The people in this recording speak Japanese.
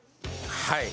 はい。